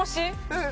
うん。